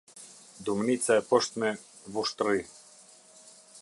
Dumnica e Poshtme, Vushtrri